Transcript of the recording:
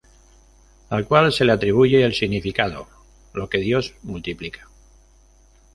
Al cual se le atribuye el significado "Lo que dios multiplica".